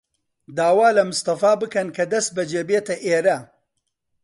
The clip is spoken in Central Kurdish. داوا لە مستەفا بکەن کە دەستبەجێ بێتە ئێرە.